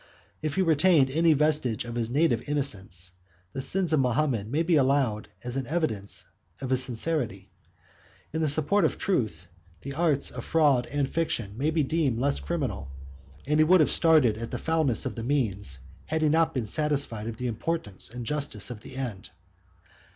If he retained any vestige of his native innocence, the sins of Mahomet may be allowed as an evidence of his sincerity. In the support of truth, the arts of fraud and fiction may be deemed less criminal; and he would have started at the foulness of the means, had he not been satisfied of the importance and justice of the end.